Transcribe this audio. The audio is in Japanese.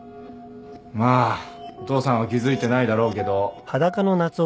まあお父さんは気付いてないだろうけど。